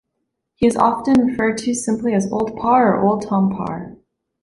He is often referred to simply as Old Parr or Old Tom Parr.